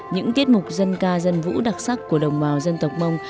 những tiết mục dân ca dân vũ đặc sắc của đồng bào dân tộc mông